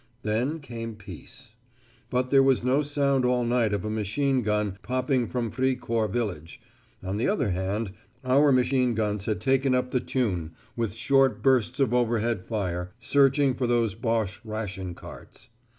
Then came peace. But there was no sound all night of a machine gun popping from Fricourt village; on the other hand, our machine guns had taken up the tune, with short bursts of overhead fire, searching for those Boche ration carts.